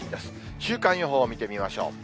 週間予報を見てみましょう。